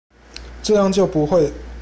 這樣就不會